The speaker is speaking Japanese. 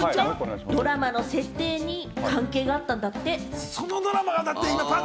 ドラマの設定に関係があったんだって。